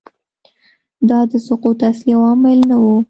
دا د سقوط اصلي عوامل نه وو